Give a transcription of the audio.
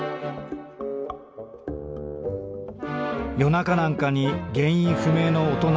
「夜中なんかに原因不明の音